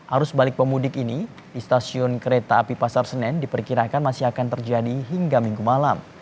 arus balik pemudik ini di stasiun kereta api pasar senen diperkirakan masih akan terjadi hingga minggu malam